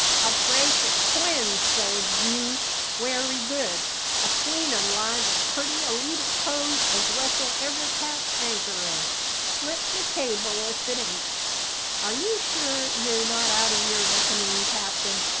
"A. brace o' twins, says you. Wery good; atween 'em lies as purty a leetle cove as wessel ever cast anchor in slip my cable if it ain't!" "Are you sure you're not out of your reckoning, captain?"